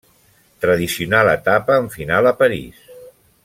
Tradicional etapa amb final a París.